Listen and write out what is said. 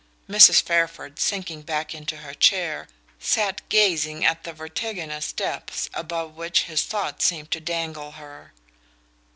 Mrs. Fairford, sinking back into her chair, sat gazing at the vertiginous depths above which his thought seemed to dangle her.